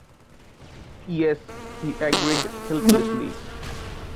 "Yes," he agreed helplessly.